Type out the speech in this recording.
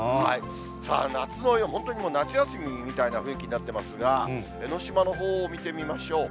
さあ、本当に夏休みみたいな雰囲気になってますが、江の島のほうを見てみましょう。